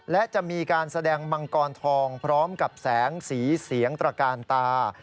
และจะมีการแสดงมังกรทองพร้อมกับแสงสีเสียงตระกาลตา